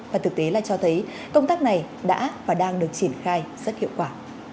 và thực tế là cho thấy công tác này đã và đang được triển khai rất hiệu quả